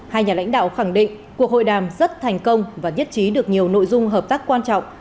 hai nhà lãnh đạo khẳng định cuộc hội đàm rất thành công và nhất trí được nhiều nội dung hợp tác quan trọng